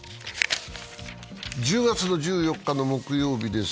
１０月１４日木曜日です。